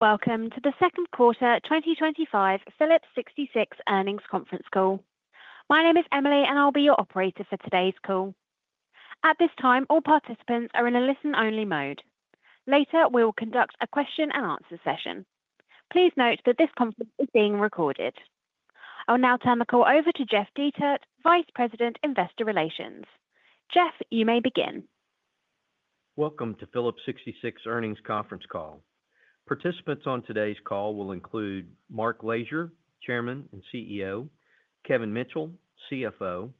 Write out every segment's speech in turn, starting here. Welcome to the Second Quarter 2025 Phillips 66 Earnings Conference Call. My name is Emily, and I'll be your operator for today's call. At this time, all participants are in a listen-only mode. Later, we will conduct a question-and-answer session. Please note that this conference is being recorded. I'll now turn the call over to Jeff Dietert, Vice President, Investor Relations. Jeff, you may begin. Welcome to Phillips 66 Earnings Conference Call. Participants on today's call will include Mark Lashier, Chairman and CEO; Kevin Mitchell, CFO;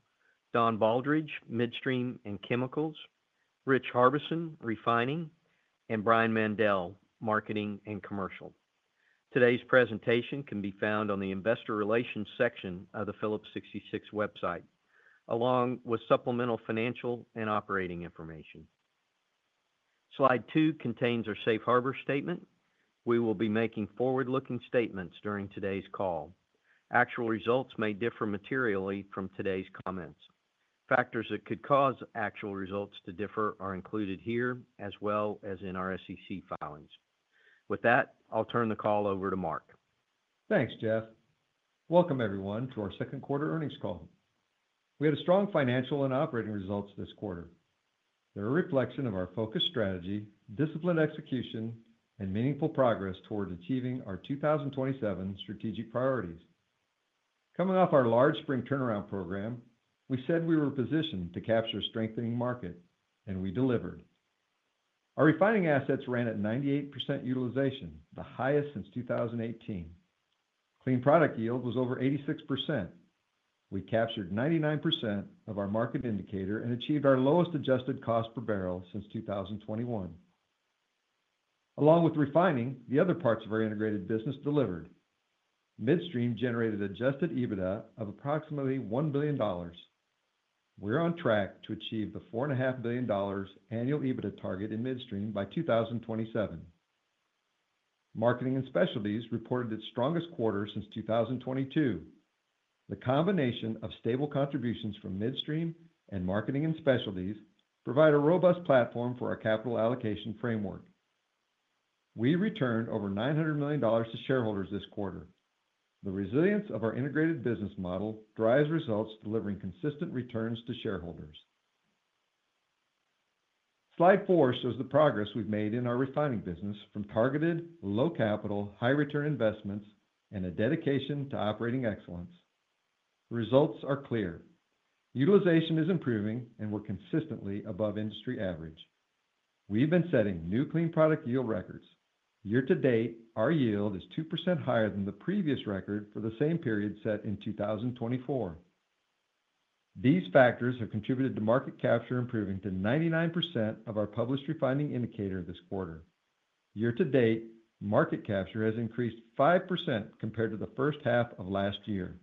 Don Baldridge, Midstream and Chemicals; Rich Harbison, Refining; and Brian Mandell, Marketing and Commercial. Today's presentation can be found on the Investor Relations section of the Phillips 66 website, along with supplemental financial and operating information. Slide 2 contains our safe harbor statement. We will be making forward-looking statements during today's call. Actual results may differ materially from today's comments. Factors that could cause actual results to differ are included here, as well as in our SEC filings. With that, I'll turn the call over to Mark. Thanks, Jeff. Welcome, everyone, to our second quarter earnings call. We had strong financial and operating results this quarter. They're a reflection of our focused strategy, disciplined execution, and meaningful progress toward achieving our 2027 strategic priorities. Coming off our large spring turnaround program, we said we were positioned to capture a strengthening market, and we delivered. Our refining assets ran at 98% utilization, the highest since 2018. Clean product yield was over 86%. We captured 99% of our market indicator and achieved our lowest adjusted cost per barrel since 2021. Along with refining, the other parts of our integrated business delivered. Midstream generated adjusted EBITDA of approximately $1 billion. We're on track to achieve the $4.5 billion annual EBITDA target in Midstream by 2027. Marketing and Specialties reported its strongest quarter since 2022. The combination of stable contributions from Midstream and Marketing and Specialties provides a robust platform for our capital allocation framework. We returned over $900 million to shareholders this quarter. The resilience of our integrated business model drives results, delivering consistent returns to shareholders. Slide 4 shows the progress we've made in our refining business from targeted, low-capital, high-return investments and a dedication to operating excellence. Results are clear. Utilization is improving, and we're consistently above industry average. We've been setting new clean product yield records. Year-to-date, our yield is 2% higher than the previous record for the same period set in 2024. These factors have contributed to market capture improving to 99% of our published refining indicator this quarter. Year-to-date, market capture has increased 5% compared to the first half of last year.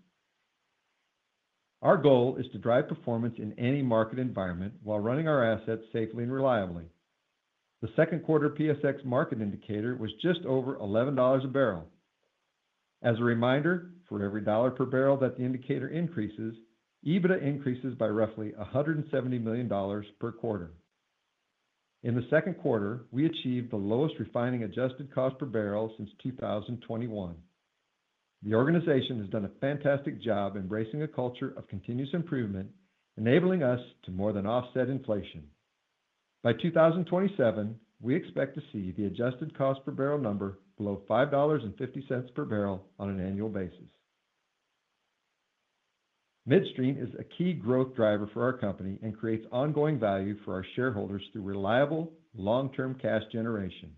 Our goal is to drive performance in any market environment while running our assets safely and reliably. The second quarter PSX market indicator was just over $11 a barrel. As a reminder, for every dollar per barrel that the indicator increases, EBITDA increases by roughly $170 million per quarter. In the second quarter, we achieved the lowest refining adjusted cost per barrel since 2021. The organization has done a fantastic job embracing a culture of continuous improvement, enabling us to more than offset inflation. By 2027, we expect to see the adjusted cost per barrel number below $5.50 per barrel on an annual basis. Midstream is a key growth driver for our company and creates ongoing value for our shareholders through reliable, long-term cash generation.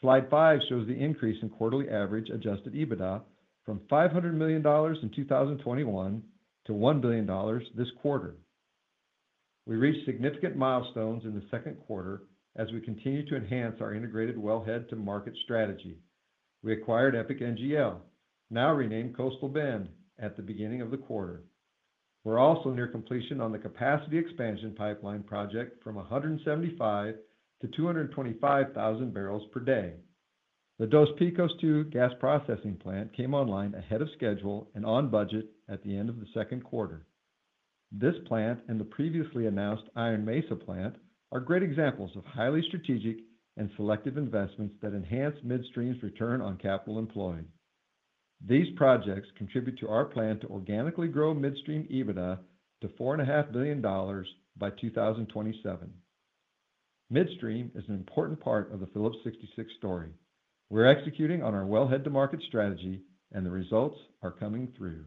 Slide 5 shows the increase in quarterly average adjusted EBITDA from $500 million in 2021 to $1 billion this quarter. We reached significant milestones in the second quarter as we continue to enhance our integrated wellhead-to-market strategy. We acquired EPIC NGL, now renamed Coastal Bend, at the beginning of the quarter. We're also near completion on the capacity expansion pipeline project from 175,000 to 225,000 barrels per day. The Dos Picos II gas processing plant came online ahead of schedule and on budget at the end of the second quarter. This plant and the previously announced Iron Mesa plant are great examples of highly strategic and selective investments that enhance Midstream's return on capital employed. These projects contribute to our plan to organically grow Midstream EBITDA to $4.5 billion by 2027. Midstream is an important part of the Phillips 66 story. We're executing on our wellhead-to-market strategy, and the results are coming through.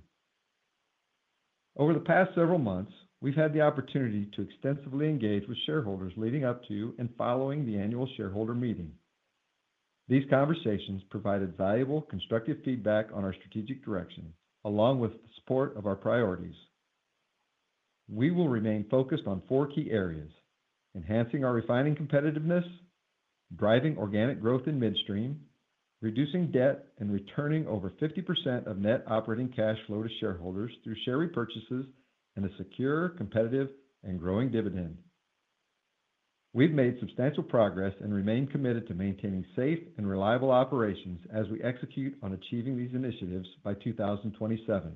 Over the past several months, we've had the opportunity to extensively engage with shareholders leading up to and following the annual shareholder meeting. These conversations provided valuable, constructive feedback on our strategic direction, along with the support of our priorities. We will remain focused on four key areas: enhancing our refining competitiveness, driving organic growth in Midstream, reducing debt, and returning over 50% of net operating cash flow to shareholders through share repurchases and a secure, competitive, and growing dividend. We've made substantial progress and remain committed to maintaining safe and reliable operations as we execute on achieving these initiatives by 2027.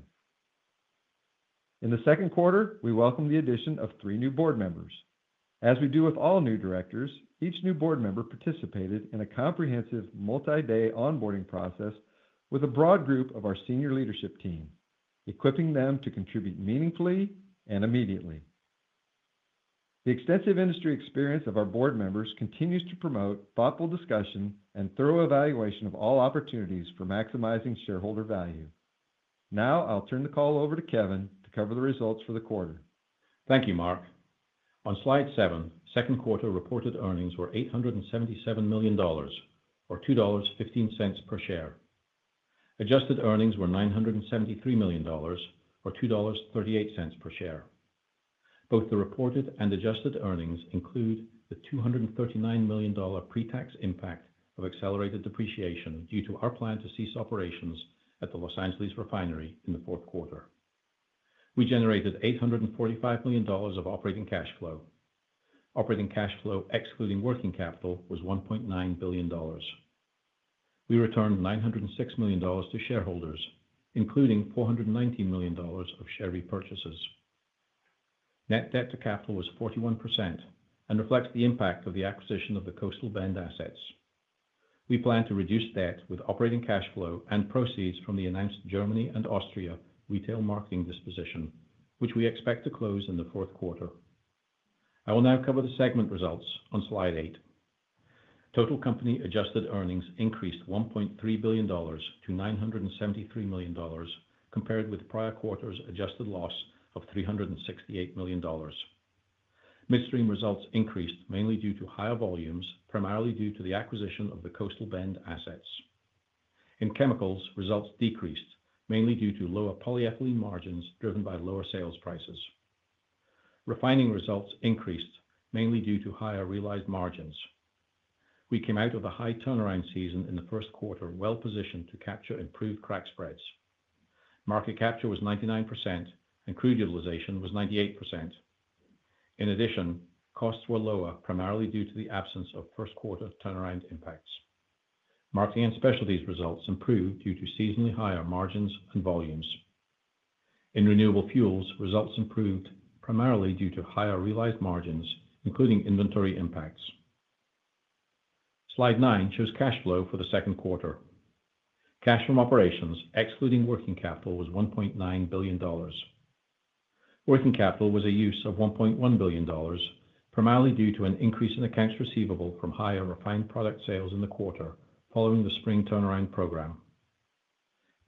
In the second quarter, we welcomed the addition of three new board members. As we do with all new directors, each new board member participated in a comprehensive multi-day onboarding process with a broad group of our senior leadership team, equipping them to contribute meaningfully and immediately. The extensive industry experience of our board members continues to promote thoughtful discussion and thorough evaluation of all opportunities for maximizing shareholder value. Now, I'll turn the call over to Kevin to cover the results for the quarter. Thank you, Mark. On slide 7, second quarter reported earnings were $877 million, or $2.15 per share. Adjusted earnings were $973 million, or $2.38 per share. Both the reported and adjusted earnings include the $239 million pre-tax impact of accelerated depreciation due to our plan to cease operations at the Los Angeles Refinery in the fourth quarter. We generated $845 million of operating cash flow. Operating cash flow, excluding working capital, was $1.9 billion. We returned $906 million to shareholders, including $419 million of share repurchases. Net debt to capital was 41% and reflects the impact of the acquisition of the Coastal Bend assets. We plan to reduce debt with operating cash flow and proceeds from the announced Germany and Austria retail marketing disposition, which we expect to close in the fourth quarter. I will now cover the segment results on slide 8. Total company adjusted earnings increased $1.3 billion to $973 million, compared with prior quarter's adjusted loss of $368 million. Midstream results increased mainly due to higher volumes, primarily due to the acquisition of the Coastal Bend assets. In chemicals, results decreased, mainly due to lower polyethylene margins driven by lower sales prices. Refining results increased, mainly due to higher realized margins. We came out of a high turnaround season in the first quarter, well-positioned to capture improved crack spreads. Market capture was 99%, and crude utilization was 98%. In addition, costs were lower, primarily due to the absence of first-quarter turnaround impacts. Marketing and Specialties results improved due to seasonally higher margins and volumes. In renewable fuels, results improved primarily due to higher realized margins, including inventory impacts. Slide 9 shows cash flow for the second quarter. Cash from operations, excluding working capital, was $1.9 billion. Working capital was a use of $1.1 billion, primarily due to an increase in accounts receivable from higher refined product sales in the quarter following the spring turnaround program.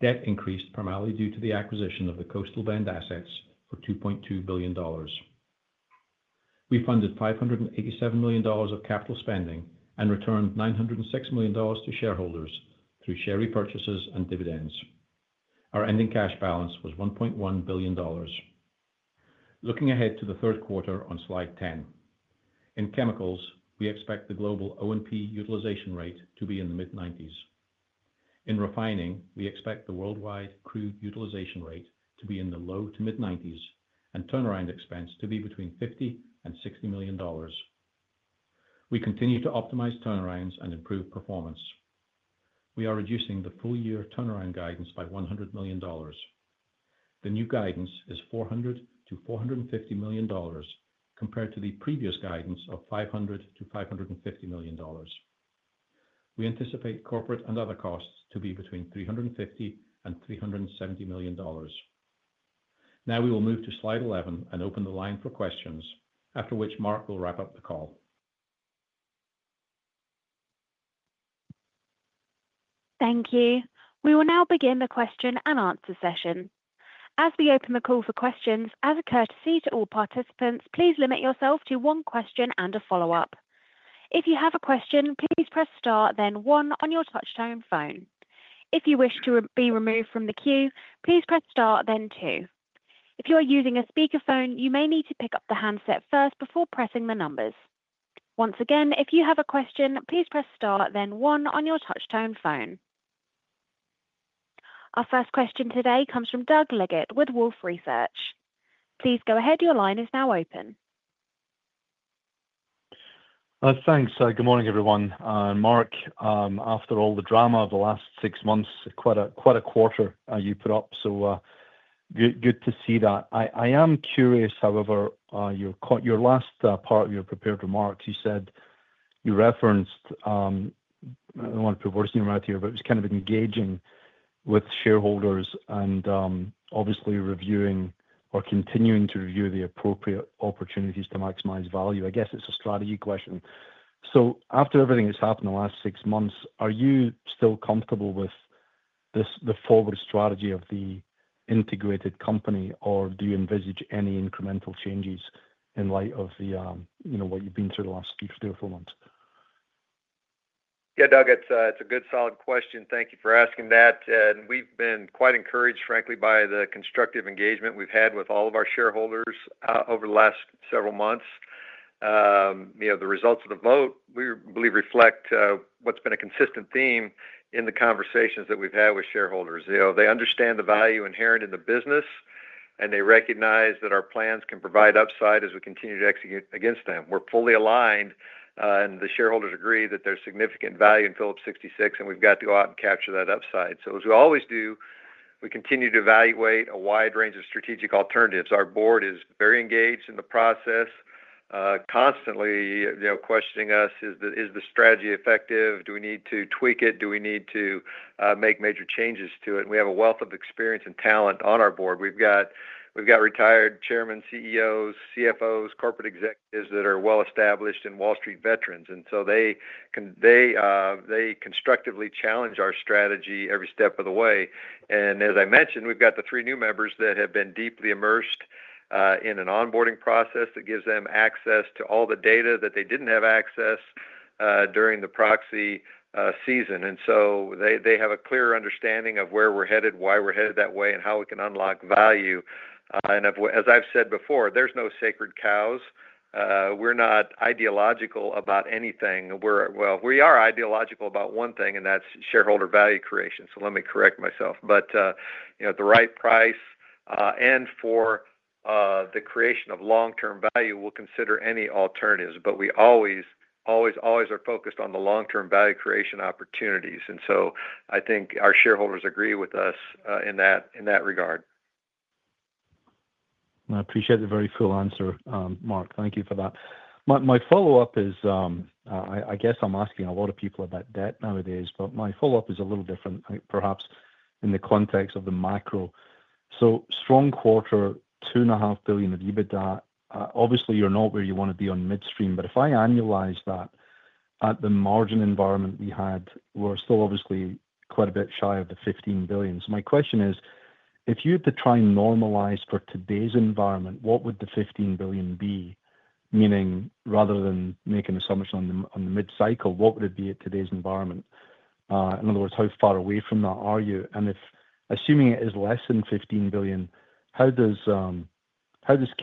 Debt increased primarily due to the acquisition of the Coastal Bend assets for $2.2 billion. We funded $587 million of capital spending and returned $906 million to shareholders through share repurchases and dividends. Our ending cash balance was $1.1 billion. Looking ahead to the third quarter on slide 10. In chemicals, we expect the global O&P utilization rate to be in the mid-90s. In refining, we expect the worldwide crude utilization rate to be in the low to mid-90s and turnaround expense to be between $50 million-$60 million. We continue to optimize turnarounds and improve performance. We are reducing the full-year turnaround guidance by $100 million. The new guidance is $400 million-$450 million, compared to the previous guidance of $500 million-$550 million. We anticipate corporate and other costs to be between $350 million-$370 million. Now, we will move to slide 11 and open the line for questions, after which Mark will wrap up the call. Thank you. We will now begin the question and answer session. As we open the call for questions, as a courtesy to all participants, please limit yourself to one question and a follow-up. If you have a question, please press Star, then one on your touch-tone phone. If you wish to be removed from the queue, please press Star, then two. If you are using a speakerphone, you may need to pick up the handset first before pressing the numbers. Once again, if you have a question, please press Star, then one on your touch-tone phone. Our first question today comes from Doug Leggate with Wolfe Research. Please go ahead. Your line is now open. Thanks. Good morning, everyone. Mark, after all the drama of the last six months, quite a quarter you put up. Good to see that. I am curious, however, your last part of your prepared remarks, you said you referenced. I do not want to put words in your mouth here, but it was kind of engaging with shareholders and obviously reviewing or continuing to review the appropriate opportunities to maximize value. I guess it is a strategy question. After everything that has happened in the last six months, are you still comfortable with the forward strategy of the integrated company, or do you envisage any incremental changes in light of what you have been through the last three or four months? Yeah, Doug, it's a good, solid question. Thank you for asking that. We've been quite encouraged, frankly, by the constructive engagement we've had with all of our shareholders over the last several months. The results of the vote, we believe, reflect what's been a consistent theme in the conversations that we've had with shareholders. They understand the value inherent in the business. They recognize that our plans can provide upside as we continue to execute against them. We're fully aligned, and the shareholders agree that there's significant value in Phillips 66, and we've got to go out and capture that upside. As we always do, we continue to evaluate a wide range of strategic alternatives. Our board is very engaged in the process, constantly questioning us, is the strategy effective? Do we need to tweak it? Do we need to make major changes to it? We have a wealth of experience and talent on our Board. We've got retired chairmen, CEOs, CFOs, corporate executives that are well-established and Wall Street veterans. They constructively challenge our strategy every step of the way. As I mentioned, we've got the three new members that have been deeply immersed in an onboarding process that gives them access to all the data that they didn't have access to during the proxy season. They have a clear understanding of where we're headed, why we're headed that way, and how we can unlock value. As I've said before, there's no sacred cows. We're not ideological about anything. We are ideological about one thing, and that's shareholder value creation. Let me correct myself. At the right price and for the creation of long-term value, we'll consider any alternatives. We always, always, always are focused on the long-term value creation opportunities. I think our shareholders agree with us in that regard. I appreciate the very full answer, Mark. Thank you for that. My follow-up is, I guess I'm asking a lot of people about debt nowadays, but my follow-up is a little different, perhaps in the context of the macro. Strong quarter, $2.5 billion of EBITDA. Obviously, you're not where you want to be on Midstream, but if I annualize that at the margin environment we had, we're still obviously quite a bit shy of the $15 billion. My question is, if you had to try and normalize for today's environment, what would the $15 billion be? Meaning, rather than making an assumption on the mid-cycle, what would it be at today's environment? In other words, how far away from that are you? Assuming it is less than $15 billion, how does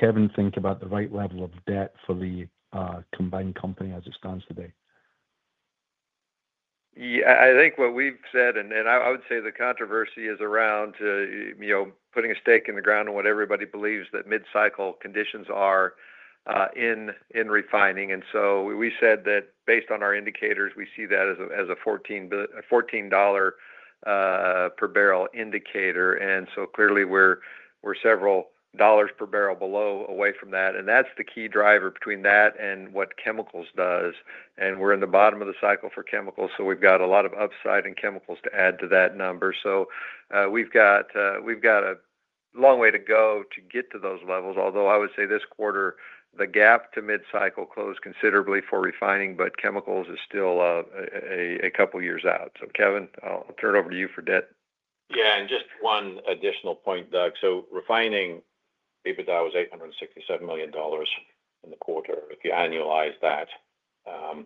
Kevin think about the right level of debt for the combined company as it stands today? Yeah, I think what we've said, and I would say the controversy is around putting a stake in the ground on what everybody believes that mid-cycle conditions are in refining. And so we said that based on our indicators, we see that as a $14 per barrel indicator. And so clearly, we're several dollars per barrel below away from that. That's the key driver between that and what chemicals does. We're in the bottom of the cycle for chemicals, so we've got a lot of upside in chemicals to add to that number. We've got a long way to go to get to those levels, although I would say this quarter, the gap to mid-cycle closed considerably for refining, but chemicals is still a couple of years out. Kevin, I'll turn it over to you for debt. Yeah, and just one additional point, Doug. So refining EBITDA was $867 million in the quarter. If you annualize that,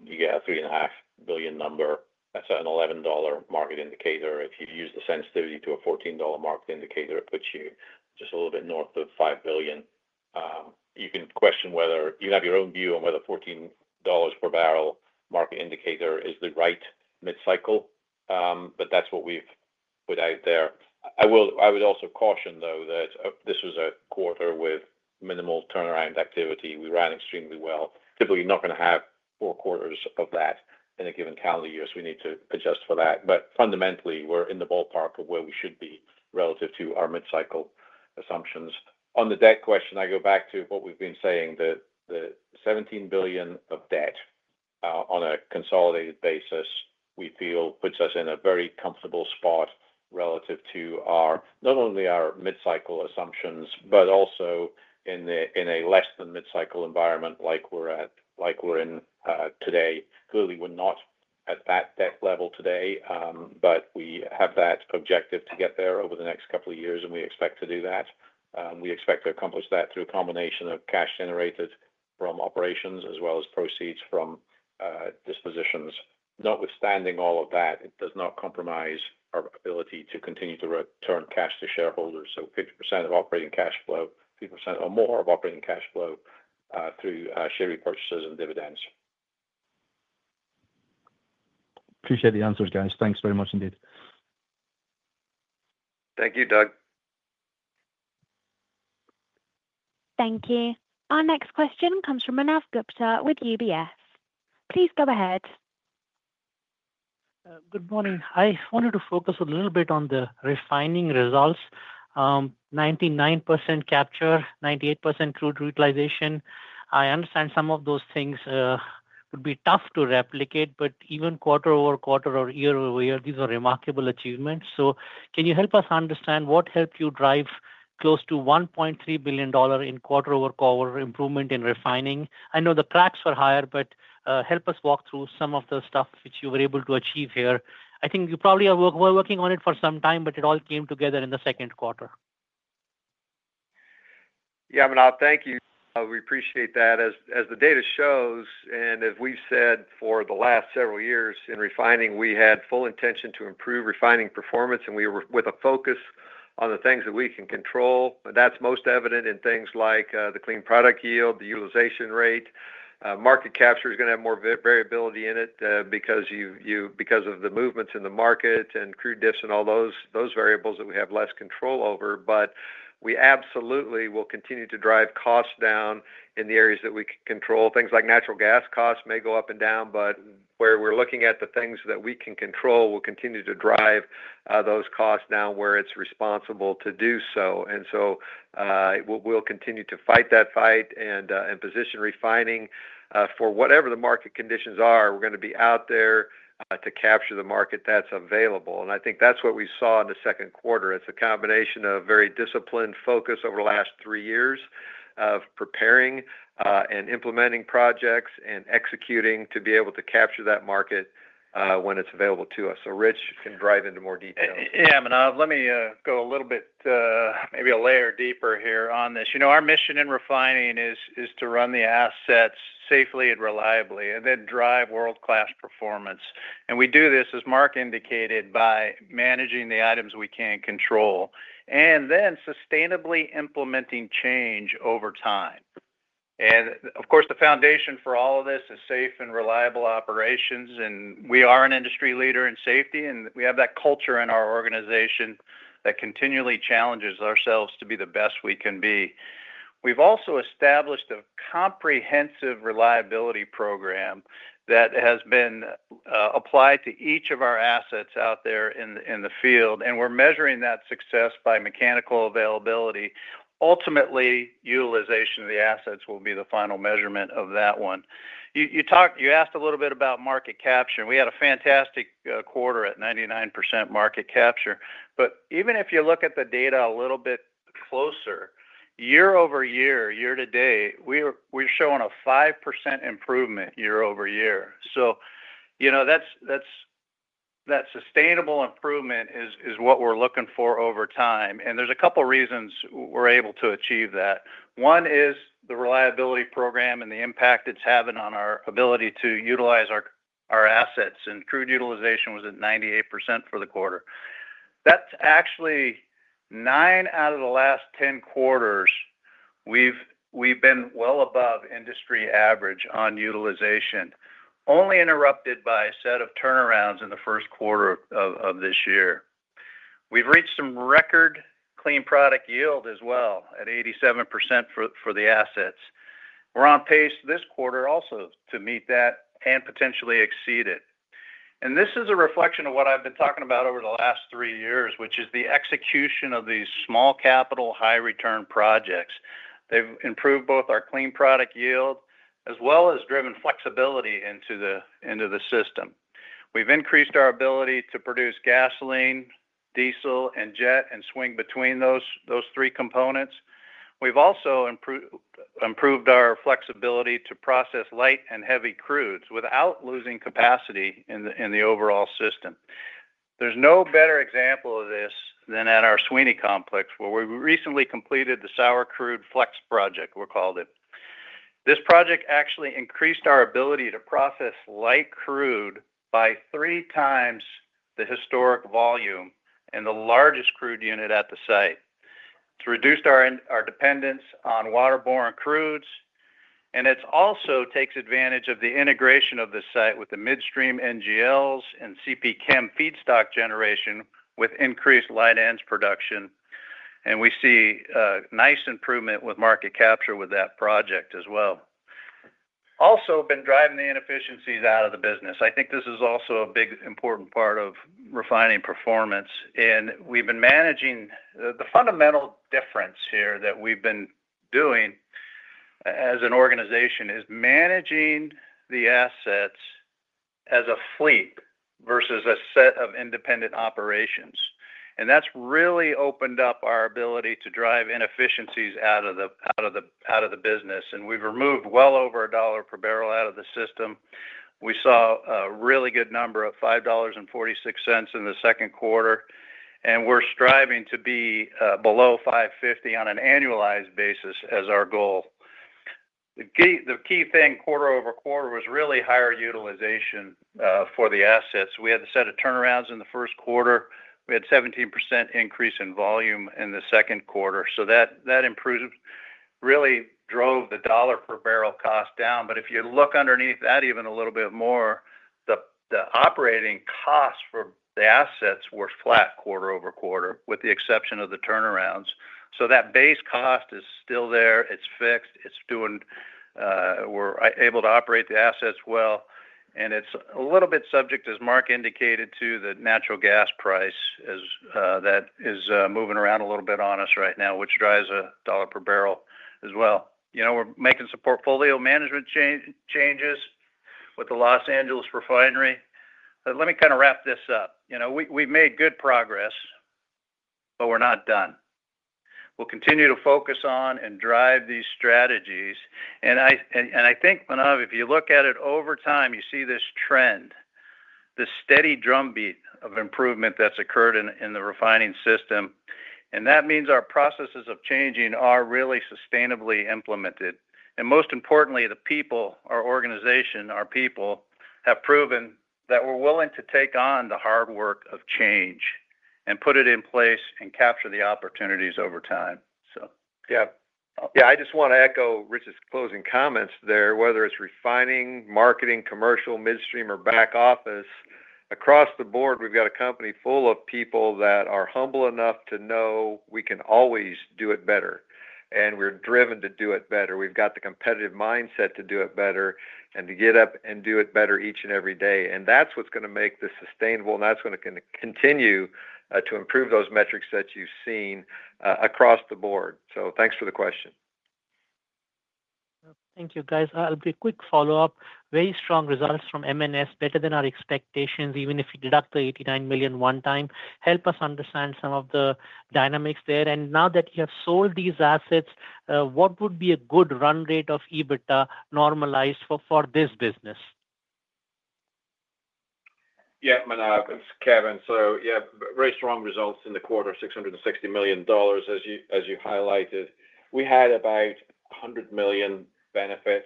you get a $3.5 billion number. That is an $11 market indicator. If you use the sensitivity to a $14 market indicator, it puts you just a little bit north of $5 billion. You can question whether you have your own view on whether $14 per barrel market indicator is the right mid-cycle, but that is what we have put out there. I would also caution, though, that this was a quarter with minimal turnaround activity. We ran extremely well. Typically, you are not going to have four quarters of that in a given calendar year, so we need to adjust for that. Fundamentally, we are in the ballpark of where we should be relative to our mid-cycle assumptions. On the debt question, I go back to what we have been saying. The $17 billion of debt on a consolidated basis, we feel, puts us in a very comfortable spot relative to not only our mid-cycle assumptions, but also in a less-than-mid-cycle environment like we are in today. Clearly, we are not at that debt level today, but we have that objective to get there over the next couple of years, and we expect to do that. We expect to accomplish that through a combination of cash generated from operations as well as proceeds from dispositions. Notwithstanding all of that, it does not compromise our ability to continue to return cash to shareholders. 50% of operating cash flow, 50% or more of operating cash flow through share repurchases and dividends. Appreciate the answers, guys. Thanks very much indeed. Thank you, Doug. Thank you. Our next question comes from Manav Gupta with UBS. Please go ahead. Good morning. I wanted to focus a little bit on the refining results. 99% capture, 98% crude utilization. I understand some of those things would be tough to replicate, but even quarter-over-quarter or year-over-year, these are remarkable achievements. Can you help us understand what helped you drive close to $1.3 billion in quarter-over-quarter improvement in refining? I know the cracks were higher, but help us walk through some of the stuff which you were able to achieve here. I think you probably are working on it for some time, but it all came together in the second quarter. Yeah, Manav, thank you. We appreciate that. As the data shows, and as we've said for the last several years in refining, we had full intention to improve refining performance, and we were with a focus on the things that we can control. That's most evident in things like the clean product yield, the utilization rate. Market capture is going to have more variability in it because of the movements in the market and crude dips and all those variables that we have less control over. We absolutely will continue to drive costs down in the areas that we can control. Things like natural gas costs may go up and down, but where we're looking at the things that we can control, we'll continue to drive those costs down where it's responsible to do so. We'll continue to fight that fight and position refining for whatever the market conditions are. We're going to be out there to capture the market that's available. I think that's what we saw in the second quarter. It's a combination of very disciplined focus over the last three years of preparing and implementing projects and executing to be able to capture that market when it's available to us. Rich can drive into more detail. Yeah, Manav, let me go a little bit, maybe a layer deeper here on this. Our mission in refining is to run the assets safely and reliably and then drive world-class performance. We do this, as Mark indicated, by managing the items we can control and then sustainably implementing change over time. Of course, the foundation for all of this is safe and reliable operations, and we are an industry leader in safety, and we have that culture in our organization that continually challenges ourselves to be the best we can be. We've also established a comprehensive reliability program that has been applied to each of our assets out there in the field, and we're measuring that success by mechanical availability. Ultimately, utilization of the assets will be the final measurement of that one. You asked a little bit about market capture. We had a fantastic quarter at 99% market capture. Even if you look at the data a little bit closer, year-over-year, year-to-date, we're showing a 5% improvement year-over-year. That sustainable improvement is what we're looking for over time. There are a couple of reasons we're able to achieve that. One is the reliability program and the impact it's having on our ability to utilize our assets. Crude utilization was at 98% for the quarter. That's actually nine out of the last 10 quarters we've been well above industry average on utilization, only interrupted by a set of turnarounds in the first quarter of this year. We've reached some record clean product yield as well at 87% for the assets. We're on pace this quarter also to meet that and potentially exceed it. This is a reflection of what I've been talking about over the last three years, which is the execution of these small capital, high-return projects. They've improved both our clean product yield as well as driven flexibility into the system. We've increased our ability to produce gasoline, diesel, and jet and swing between those three components. We've also improved our flexibility to process light and heavy crudes without losing capacity in the overall system. There's no better example of this than at our Sweeny Complex, where we recently completed the sour crude flex project, we call it. This project actually increased our ability to process light crude by three times the historic volume in the largest crude unit at the site. It's reduced our dependence on waterborne crudes, and it also takes advantage of the integration of the site with the midstream NGLs and CP Chem feedstock generation with increased light ends production. We see nice improvement with market capture with that project as well. We've also been driving the inefficiencies out of the business. I think this is also a big important part of refining performance, and we've been managing the fundamental difference here that we've been doing. As an organization is managing the assets as a fleet versus a set of independent operations. That has really opened up our ability to drive inefficiencies out of the business. We have removed well over a dollar per barrel out of the system. We saw a really good number of $5.46 in the second quarter. We are striving to be below $5.50 on an annualized basis as our goal. The key thing quarter-over-quarter was really higher utilization for the assets. We had a set of turnarounds in the first quarter. We had a 17% increase in volume in the second quarter. That improvement really drove the dollar per barrel cost down. If you look underneath that even a little bit more, the operating costs for the assets were flat quarter-over-quarter with the exception of the turnarounds. That base cost is still there. It is fixed. We are able to operate the assets well. It is a little bit subject, as Mark indicated, to the natural gas price that is moving around a little bit on us right now, which drives a dollar per barrel as well. We are making some portfolio management changes with the Los Angeles Refinery. Let me kind of wrap this up. We have made good progress. We are not done. We will continue to focus on and drive these strategies. I think, Manav, if you look at it over time, you see this trend. The steady drumbeat of improvement that has occurred in the refining system. That means our processes of changing are really sustainably implemented. Most importantly, the people, our organization, our people have proven that we are willing to take on the hard work of change and put it in place and capture the opportunities over time. Yeah, I just want to echo Rich's closing comments there, whether it is refining, marketing, commercial, midstream, or back office. Across the board, we have got a company full of people that are humble enough to know we can always do it better. We are driven to do it better. We have got the competitive mindset to do it better and to get up and do it better each and every day. That is what is going to make this sustainable, and that is going to continue to improve those metrics that you have seen across the board. Thanks for the question. Thank you, guys. I'll be a quick follow-up. Very strong results from M&S, better than our expectations, even if we deduct the $89 million one time. Help us understand some of the dynamics there. Now that you have sold these assets, what would be a good run rate of EBITDA normalized for this business? Yeah, Manav, it's Kevin. Yeah, very strong results in the quarter, $660 million, as you highlighted. We had about $100 million benefit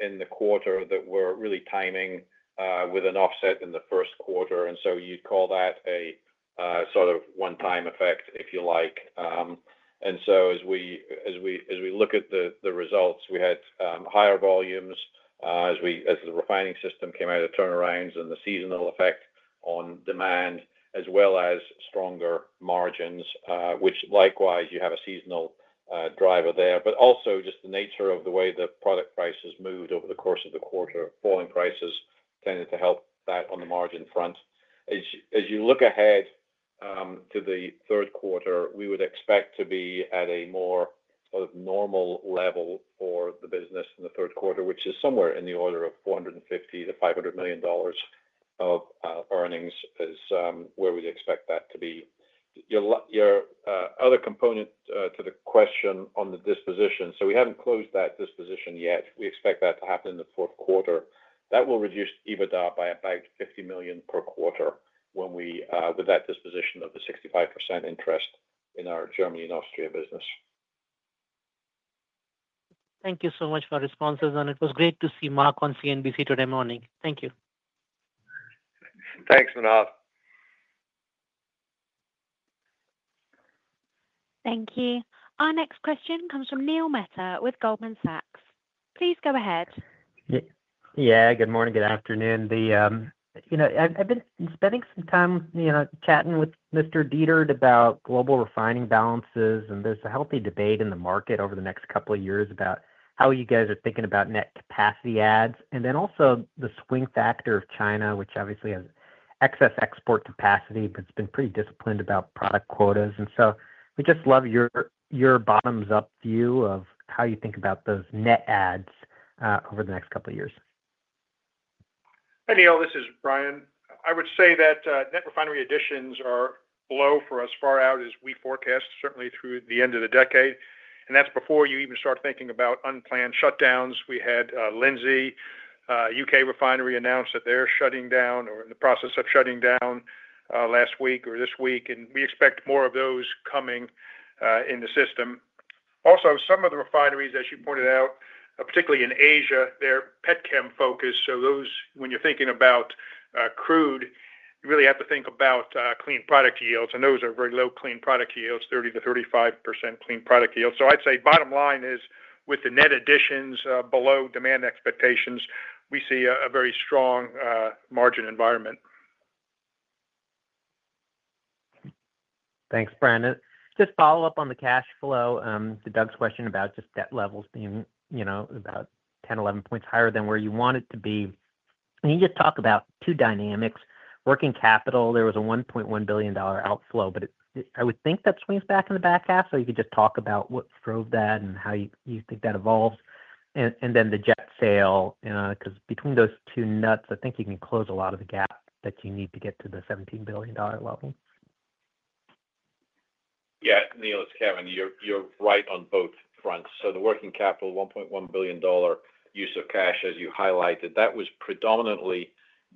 in the quarter that was really timing with an offset in the first quarter. You'd call that a sort of one-time effect, if you like. As we look at the results, we had higher volumes as the refining system came out of turnarounds and the seasonal effect on demand, as well as stronger margins, which likewise, you have a seasonal driver there. Also, just the nature of the way the product prices moved over the course of the quarter, falling prices tended to help that on the margin front. As you look ahead to the third quarter, we would expect to be at a more sort of normal level for the business in the third quarter, which is somewhere in the order of $450 million-$500 million of earnings is where we'd expect that to be. Your other component to the question on the disposition, we haven't closed that disposition yet. We expect that to happen in the fourth quarter. That will reduce EBITDA by about $50 million per quarter with that disposition of the 65% interest in our Germany and Austria business. Thank you so much for the responses. It was great to see Mark on CNBC this morning. Thank you. Thanks, Manav. Thank you. Our next question comes from Neil Mehta with Goldman Sachs. Please go ahead. Yeah, good morning, good afternoon. I've been spending some time chatting with Mr. Dietert about global refining balances. There's a healthy debate in the market over the next couple of years about how you guys are thinking about net capacity adds. Also, the swing factor of China, which obviously has excess export capacity, but it's been pretty disciplined about product quotas. We just love your bottoms-up view of how you think about those net adds over the next couple of years. Hey, Neil, this is Brian. I would say that net refinery additions are low for us as far out as we forecast, certainly through the end of the decade. That is before you even start thinking about unplanned shutdowns. We had Lindsey, U.K. Refinery, announce that they are shutting down or in the process of shutting down, last week or this week. We expect more of those coming in the system. Also, some of the refineries, as you pointed out, particularly in Asia, they are pet chem focused. When you are thinking about crude, you really have to think about clean product yields. Those are very low clean product yields, 30%-35% clean product yields. I would say bottom line is with the net additions below demand expectations, we see a very strong margin environment. Thanks, Brandon. Just follow up on the cash flow, Doug's question about just debt levels being about 10-11 points higher than where you want it to be. Can you just talk about two dynamics? Working capital, there was a $1.1 billion outflow, but I would think that swings back in the back half. If you could just talk about what drove that and how you think that evolves. And then the jet sale, because between those two nuts, I think you can close a lot of the gap that you need to get to the $17 billion level. Yeah, Neil, it's Kevin. You're right on both fronts. The working capital, $1.1 billion use of cash, as you highlighted, that was predominantly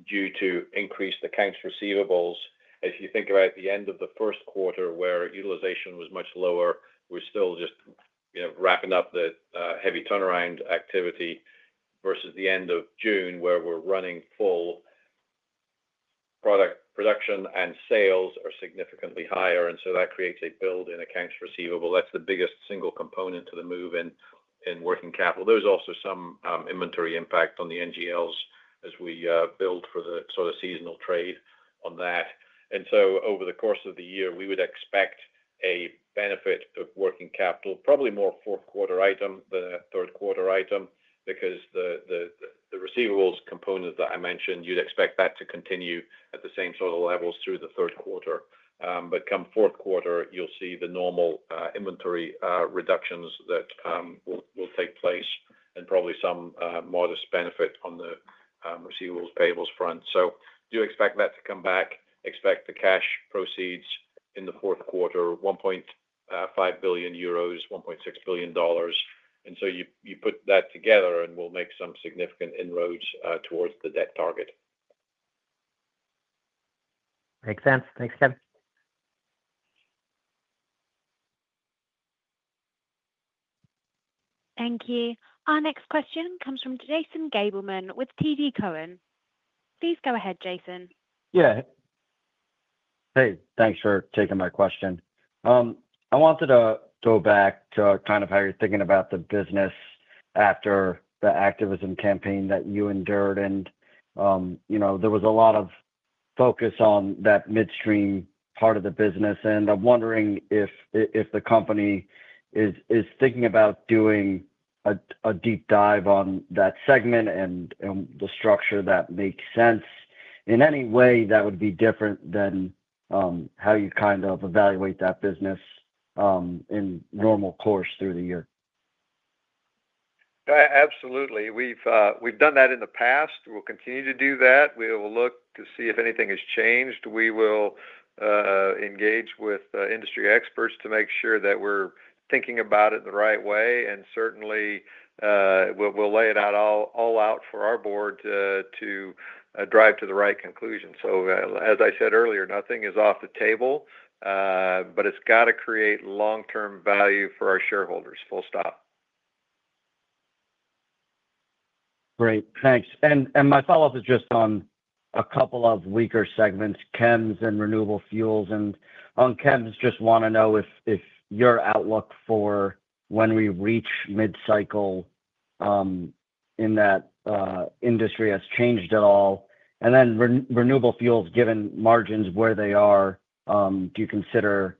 due to increased accounts receivables. As you think about the end of the first quarter where utilization was much lower, we're still just wrapping up the heavy turnaround activity versus the end of June where we're running full. Production and sales are significantly higher. That creates a build in accounts receivable. That's the biggest single component to the move in working capital. There's also some inventory impact on the NGLs as we build for the sort of seasonal trade on that. Over the course of the year, we would expect a benefit of working capital, probably more fourth-quarter item than a third-quarter item because the receivables component that I mentioned, you'd expect that to continue at the same sort of levels through the third quarter. Come fourth quarter, you'll see the normal inventory reductions that will take place and probably some modest benefit on the receivables payables front. Do expect that to come back, expect the cash proceeds in the fourth quarter, 1.5 billion euros, $1.6 billion. You put that together and we'll make some significant inroads towards the debt target. Makes sense. Thanks, Kevin. Thank you. Our next question comes from Jason Gabelman with TD Cowen. Please go ahead, Jason. Yeah. Hey, thanks for taking my question. I wanted to go back to kind of how you're thinking about the business after the activism campaign that you endured. There was a lot of focus on that midstream part of the business. I'm wondering if the company is thinking about doing a deep dive on that segment and the structure that makes sense in any way that would be different than how you kind of evaluate that business in normal course through the year. Absolutely. We've done that in the past. We'll continue to do that. We will look to see if anything has changed. We will engage with industry experts to make sure that we're thinking about it the right way. Certainly, we'll lay it all out for our board to drive to the right conclusion. As I said earlier, nothing is off the table. It's got to create long-term value for our shareholders. Full stop. Great. Thanks. My follow-up is just on a couple of weaker segments, chems and renewable fuels. On chems, just want to know if your outlook for when we reach mid-cycle in that industry has changed at all. Then renewable fuels, given margins where they are, do you consider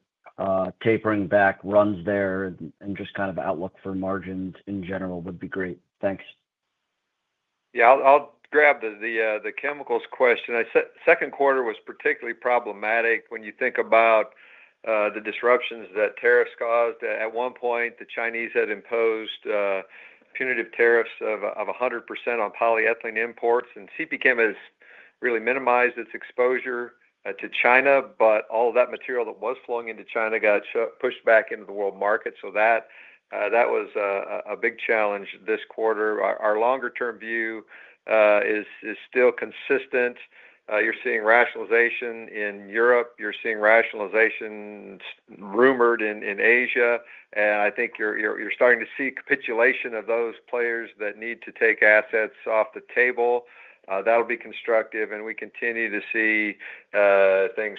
tapering back runs there? Just kind of outlook for margins in general would be great. Thanks. Yeah, I'll grab the chemicals question. Second quarter was particularly problematic when you think about the disruptions that tariffs caused. At one point, the Chinese had imposed punitive tariffs of 100% on polyethylene imports. And CP Chem has really minimized its exposure to China. All of that material that was flowing into China got pushed back into the world market. That was a big challenge this quarter. Our longer-term view is still consistent. You're seeing rationalization in Europe. You're seeing rationalization rumored in Asia. I think you're starting to see capitulation of those players that need to take assets off the table. That'll be constructive. We continue to see things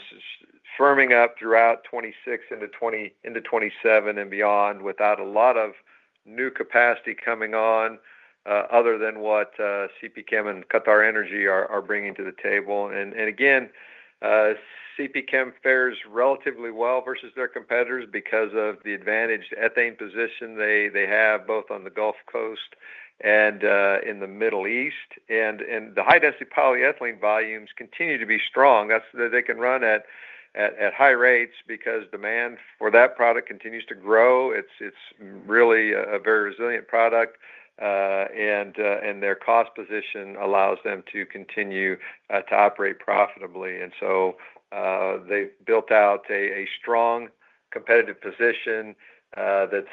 firming up throughout 2026 into 2027 and beyond without a lot of new capacity coming on, other than what CP Chem and QatarEnergy are bringing to the table. Again, CP Chem fares relatively well versus their competitors because of the advantaged ethane position they have both on the Gulf Coast and in the Middle East. The high-density polyethylene volumes continue to be strong. They can run at high rates because demand for that product continues to grow. It's really a very resilient product. Their cost position allows them to continue to operate profitably. They've built out a strong competitive position that's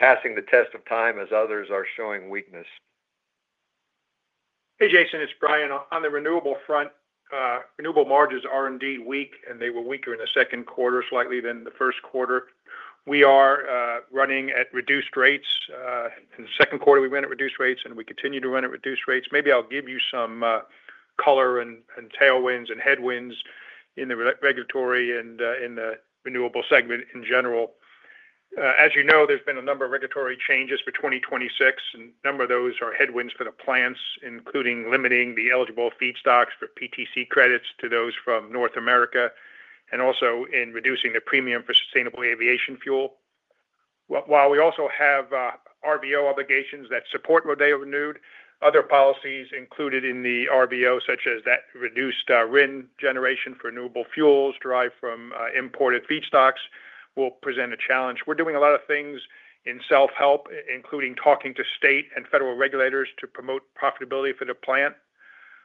passing the test of time as others are showing weakness. Hey, Jason, it's Brian. On the renewable front. Renewable margins are indeed weak, and they were weaker in the second quarter slightly than the first quarter. We are running at reduced rates. In the second quarter, we went at reduced rates, and we continue to run at reduced rates. Maybe I'll give you some color and tailwinds and headwinds in the regulatory and in the renewable segment in general. As you know, there's been a number of regulatory changes for 2026. And a number of those are headwinds for the plants, including limiting the eligible feed stocks for PTC credits to those from North America and also in reducing the premium for sustainable aviation fuel. While we also have RVO obligations that support what they have renewed, other policies included in the RVO, such as that reduced RIN generation for renewable fuels derived from imported feed stocks, will present a challenge. We're doing a lot of things in self-help, including talking to state and federal regulators to promote profitability for the plant.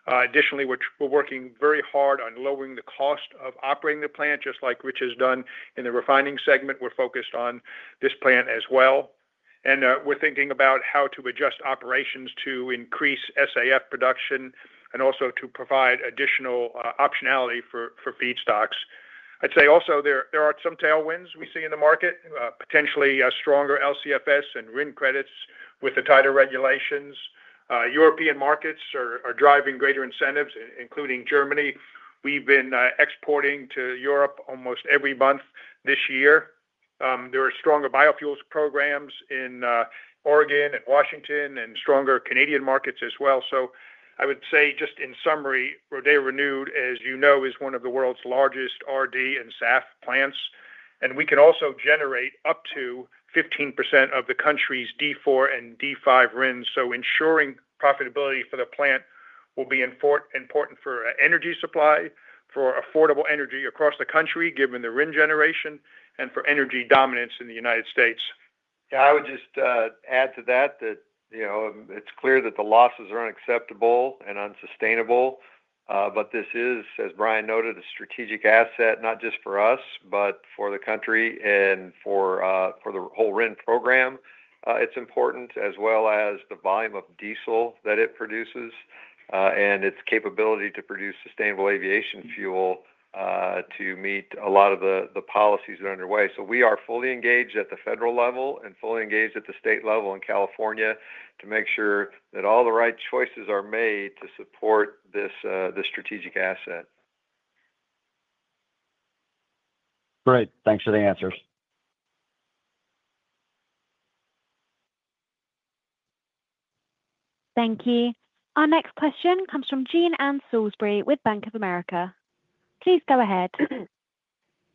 Additionally, we're working very hard on lowering the cost of operating the plant, just like Rich has done in the refining segment. We're focused on this plant as well. We're thinking about how to adjust operations to increase SAF production and also to provide additional optionality for feed stocks. I'd say also there are some tailwinds we see in the market, potentially stronger LCFS and RIN credits with the tighter regulations. European markets are driving greater incentives, including Germany. We've been exporting to Europe almost every month this year. There are stronger biofuels programs in Oregon and Washington and stronger Canadian markets as well. I would say just in summary, Rodeo Renewed, as you know, is one of the world's largest RD and SAF plants. We can also generate up to 15% of the country's D4 and D5 RINs. Ensuring profitability for the plant will be important for energy supply, for affordable energy across the country given the RIN generation, and for energy dominance in the United States. Yeah, I would just add to that. It's clear that the losses are unacceptable and unsustainable. This is, as Brian noted, a strategic asset, not just for us, but for the country and for the whole RIN program. It's important, as well as the volume of diesel that it produces and its capability to produce sustainable aviation fuel to meet a lot of the policies that are underway. We are fully engaged at the federal level and fully engaged at the state level in California to make sure that all the right choices are made to support this strategic asset. Great. Thanks for the answers. Thank you. Our next question comes from Jean Ann Salisbury with Bank of America. Please go ahead.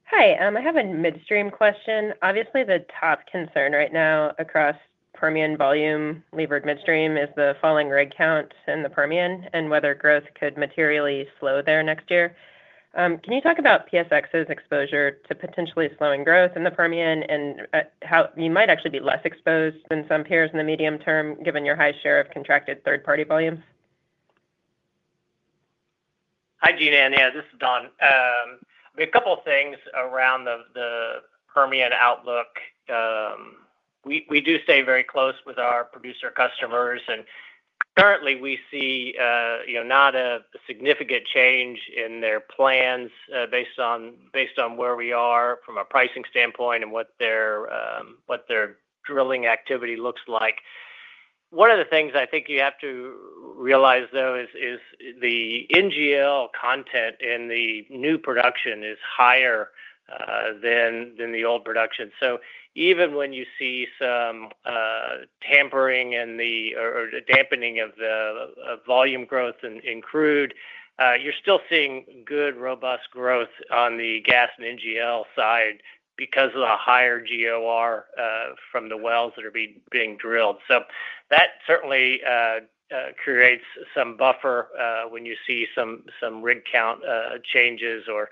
Hi. I have a midstream question. Obviously, the top concern right now across Permian volume levered midstream is the falling rig count in the Permian and whether growth could materially slow there next year. Can you talk about PSX's exposure to potentially slowing growth in the Permian and how you might actually be less exposed than some peers in the medium term given your high share of contracted third-party volumes? Hi, Jean Ann. Yeah, this is Don. A couple of things around the Permian outlook. We do stay very close with our producer customers. Currently, we see not a significant change in their plans based on where we are from a pricing standpoint and what their drilling activity looks like. One of the things I think you have to realize, though, is the NGL content in the new production is higher than the old production. Even when you see some tampering or dampening of the volume growth in crude, you're still seeing good, robust growth on the gas and NGL side because of the higher GOR from the wells that are being drilled. That certainly creates some buffer when you see some rig count changes or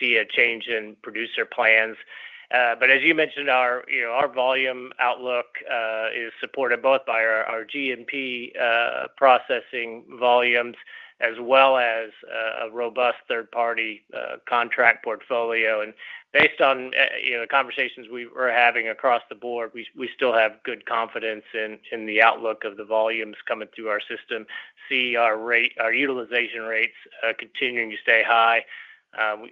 see a change in producer plans. As you mentioned, our volume outlook is supported both by our G&P processing volumes as well as a robust third-party contract portfolio. Based on the conversations we were having across the board, we still have good confidence in the outlook of the volumes coming through our system, seeing our utilization rates continuing to stay high.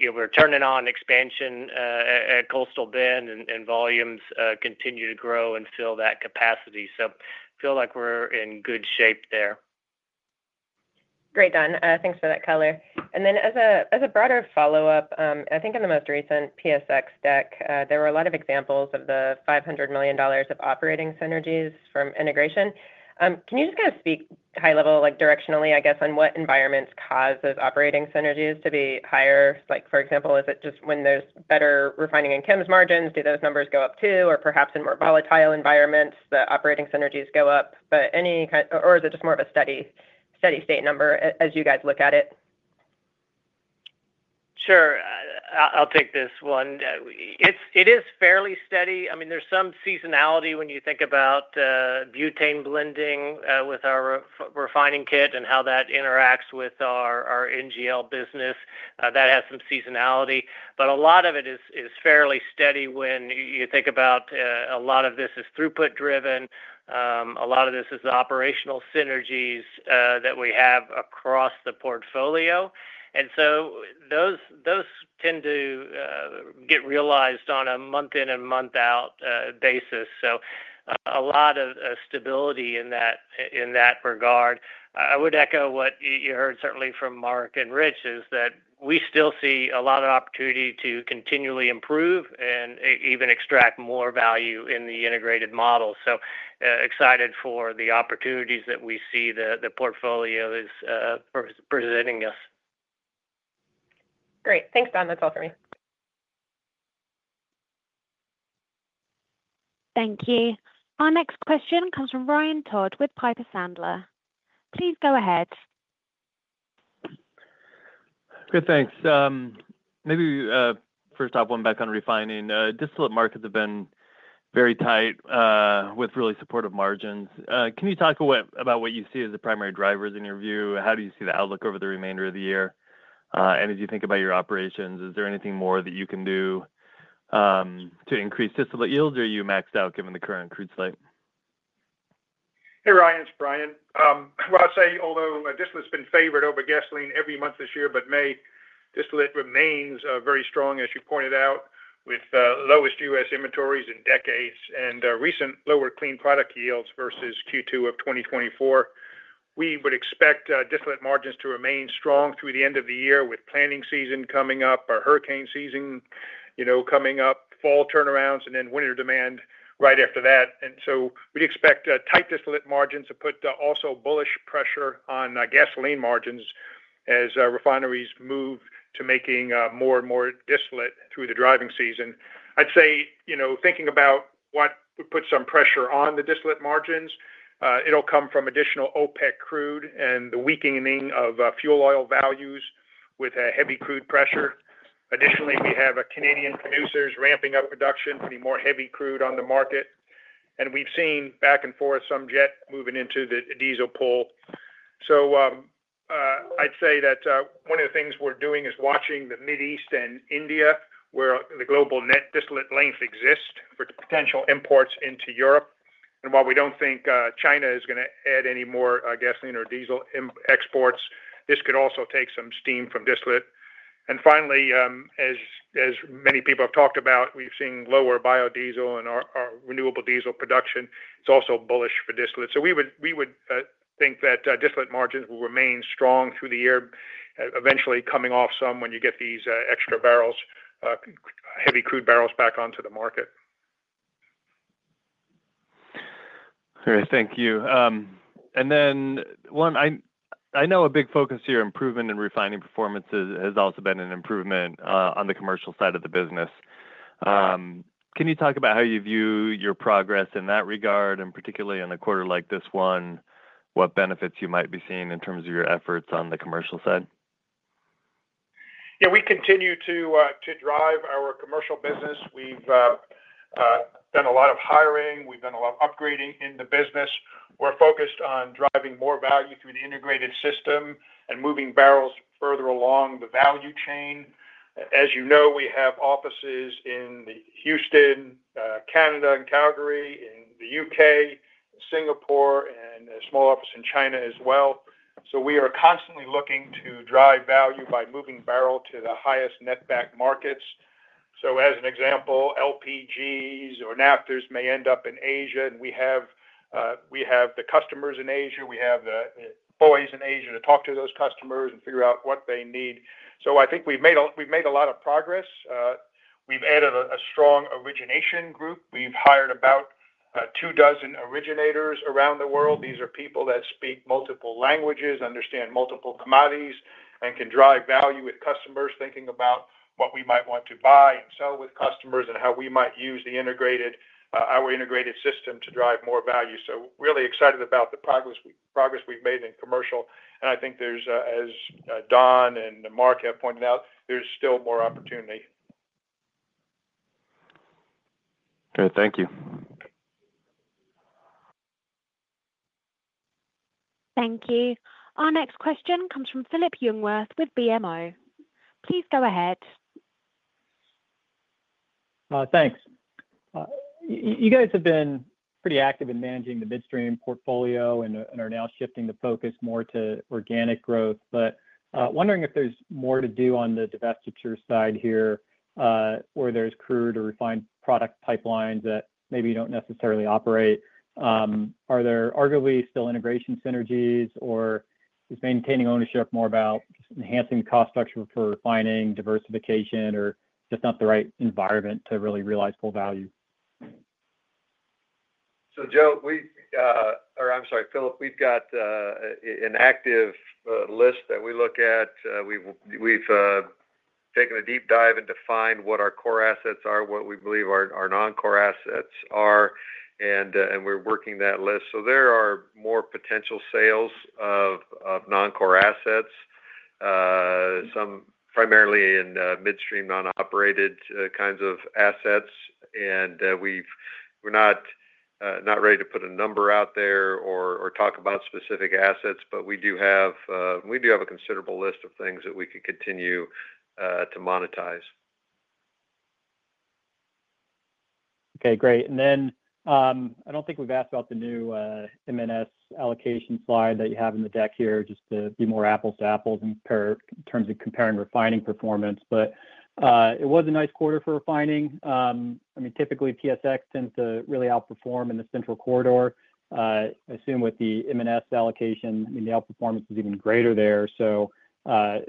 We're turning on expansion at Coastal Bend, and volumes continue to grow and fill that capacity. I feel like we're in good shape there. Great, Don. Thanks for that color. As a broader follow-up, I think in the most recent PSX deck, there were a lot of examples of the $500 million of operating synergies from integration. Can you just kind of speak high-level, directionally, I guess, on what environments cause those operating synergies to be higher? For example, is it just when there's better refining and chems margins, do those numbers go up too, or perhaps in more volatile environments, the operating synergies go up? Is it just more of a steady state number as you guys look at it? Sure. I'll take this one. It is fairly steady. I mean, there's some seasonality when you think about butane blending with our refining kit and how that interacts with our NGL business. That has some seasonality. A lot of it is fairly steady when you think about a lot of this is throughput-driven. A lot of this is the operational synergies that we have across the portfolio. Those tend to get realized on a month-in and month-out basis. A lot of stability in that regard. I would echo what you heard certainly from Mark and Rich is that we still see a lot of opportunity to continually improve and even extract more value in the integrated model. Excited for the opportunities that we see the portfolio presenting us. Great. Thanks, Don. That's all for me. Thank you. Our next question comes from Ryan Todd with Piper Sandler. Please go ahead. Good. Thanks. Maybe first off, one back on refining. Distillate markets have been very tight with really supportive margins. Can you talk about what you see as the primary drivers in your view? How do you see the outlook over the remainder of the year? As you think about your operations, is there anything more that you can do to increase distillate yields, or are you maxed out given the current crude slate? Hey, Ryan. It's Brian. I'd say, although distillate's been favored over gasoline every month this year, May distillate remains very strong, as you pointed out, with the lowest U.S. inventories in decades and recent lower clean product yields versus Q2 of 2024. We would expect distillate margins to remain strong through the end of the year with planning season coming up, our hurricane season coming up, fall turnarounds, and then winter demand right after that. We would expect tight distillate margins to put also bullish pressure on gasoline margins as refineries move to making more and more distillate through the driving season. I'd say thinking about what would put some pressure on the distillate margins, it'll come from additional OPEC crude and the weakening of fuel oil values with heavy crude pressure. Additionally, we have Canadian producers ramping up production, putting more heavy crude on the market. We've seen back and forth, some jet moving into the diesel pool. I'd say that one of the things we're doing is watching the Mid East and India where the global net distillate length exists for potential imports into Europe. While we don't think China is going to add any more gasoline or diesel exports, this could also take some steam from distillate. Finally, as many people have talked about, we've seen lower biodiesel and our renewable diesel production. It's also bullish for distillate. We would think that distillate margins will remain strong through the year, eventually coming off some when you get these extra barrels, heavy crude barrels back onto the market. All right. Thank you. I know a big focus here, improvement in refining performance has also been an improvement on the commercial side of the business. Can you talk about how you view your progress in that regard, and particularly in a quarter like this one, what benefits you might be seeing in terms of your efforts on the commercial side? Yeah. We continue to drive our commercial business. We have done a lot of hiring. We have done a lot of upgrading in the business. We are focused on driving more value through the integrated system and moving barrels further along the value chain. As you know, we have offices in Houston, Canada, Calgary, the U.K., Singapore, and a small office in China as well. We are constantly looking to drive value by moving barrels to the highest net back markets. As an example, LPGs or naphthas may end up in Asia, and we have the customers in Asia. We have the employees in Asia to talk to those customers and figure out what they need. I think we have made a lot of progress. We have added a strong origination group. We have hired about two dozen originators around the world. These are people that speak multiple languages, understand multiple commodities, and can drive value with customers, thinking about what we might want to buy and sell with customers and how we might use our integrated system to drive more value. I am really excited about the progress we have made in commercial. I think, as Don and Mark have pointed out, there is still more opportunity. Great. Thank you. Thank you. Our next question comes from Phillip Jungwirth with BMO. Please go ahead. Thanks. You guys have been pretty active in managing the midstream portfolio and are now shifting the focus more to organic growth. I am wondering if there's more to do on the divestiture side here. Where there's crude or refined product pipelines that maybe you do not necessarily operate. Are there arguably still integration synergies, or is maintaining ownership more about just enhancing the cost structure for refining, diversification, or just not the right environment to really realize full value? I'm sorry, Philip, we've got an active list that we look at. We've taken a deep dive and defined what our core assets are, what we believe our non-core assets are, and we're working that list. There are more potential sales of non-core assets, primarily in midstream non-operated kinds of assets. We're not ready to put a number out there or talk about specific assets, but we do have a considerable list of things that we could continue to monetize. Okay. Great. I do not think we have asked about the new M&S allocation slide that you have in the deck here just to be more apples to apples in terms of comparing refining performance. It was a nice quarter for refining. I mean, typically, PSX tends to really outperform in the central corridor. I assume with the M&S allocation, the outperformance is even greater there.